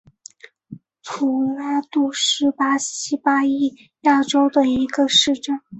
普拉杜是巴西巴伊亚州的一个市镇。